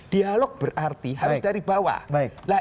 dialog berarti harus dari bawah